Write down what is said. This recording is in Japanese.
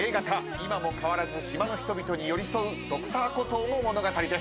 今も変わらず島の人々に寄り添うＤｒ．コトーの物語です。